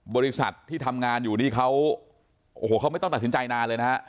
บริษัทที่ทำงานอยู่นี้เขาไม่ต้องตัดสินใจนานเลยนะครับ